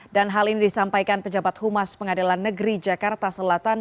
dan hal ini disampaikan pejabat humas pengadilan negeri jakarta selatan